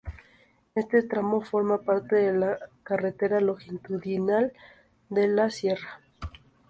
Este tramo forma parte de la Carretera Longitudinal de la Sierra.